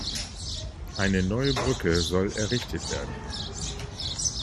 Eine neue Brücke soll errichtet werden.